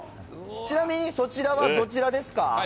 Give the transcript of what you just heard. ちなみにそちらはどちらですか。